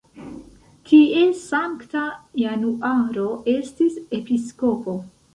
Tie Sankta Januaro estis episkopo.